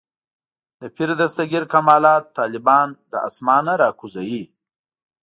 د پیر دستګیر کمالات طالبان له اسمانه راکوزوي.